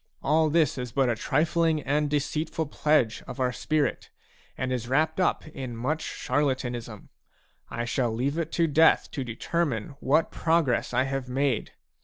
All this is but a trifling and deceitful pledge of our spirit, and is wrapped in much charlatanism. I shall leave it to Death to determine what progress I have made.